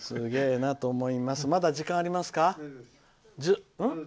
まだ時間ありますか？